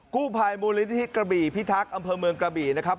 กู้ภัยมูลนิธิกระบี่พิทักษ์อำเภอเมืองกระบี่นะครับ